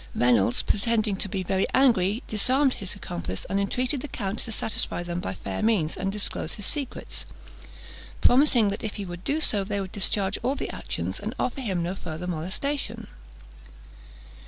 Reynolds pretending to be very angry, disarmed his accomplice, and entreated the count to satisfy them by fair means, and disclose his secrets, promising that if he would do so, they would discharge all the actions, and offer him no further molestation.